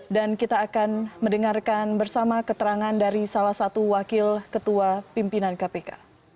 dan kita akan mendengarkan bersama keterangan dari salah satu wakil ketua pimpinan kpk